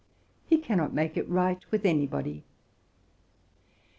He cannot make it right with anybody.